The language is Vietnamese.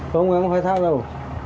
không nó không khai thác đâu